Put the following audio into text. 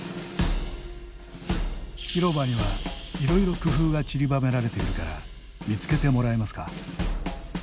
広場にはいろいろ工夫がちりばめられているから見つけてもらえますか？